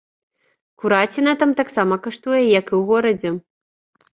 Кураціна там таксама каштуе, як і ў горадзе.